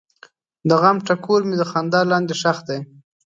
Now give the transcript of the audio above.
د غم ټکور مې د خندا لاندې ښخ دی.